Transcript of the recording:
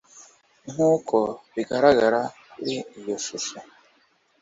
nk’uko bigaragara kuri iyo shusho.